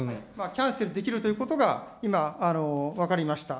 キャンセルできるということが今、分かりました。